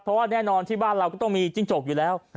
เพราะว่าแน่นอนที่บ้านเราก็ต้องมีจิ้งจกอยู่แล้ว